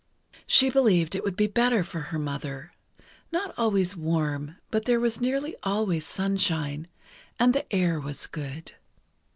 She believed it would be better for her mother—not always warm, but there was nearly always sunshine, and the air was good.